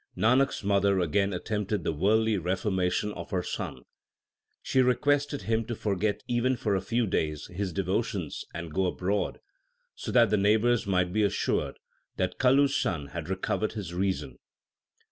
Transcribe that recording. Nanak s mother again attempted the worldly reformation of her son. She requested him to forget even for a few days his devotions and go abroad, so that the neighbours might be assured that Kalu s son had recovered his reason.